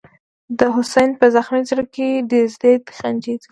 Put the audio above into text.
دحسین” په زخمی زړه کی، دیزید خنجر ځلیږی”